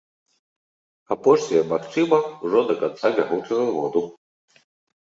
Апошняе магчыма ўжо да канца бягучага году.